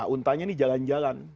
untanya ini jalan jalan